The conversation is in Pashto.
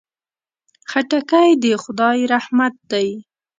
خټکی د خدای رحمت دی.